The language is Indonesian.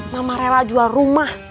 mama rela jual rumah